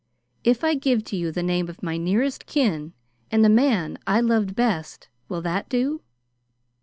If I give to you the name of my nearest kin and the man I loved best will that do?"